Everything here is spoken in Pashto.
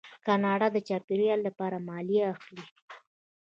کاناډا د چاپیریال لپاره مالیه اخلي.